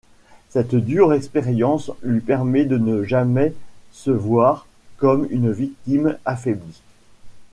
Cette dure expérience lui permet de ne jamais se voir comme une victime affaibli.